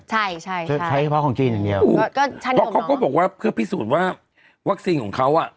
ใช่ใช่ใช่ใช้พ๊อวของจีนอย่างเดียวก็เขาก็บอกว่าเพื่อพิสูจน์ว่าวัคซีนของเขา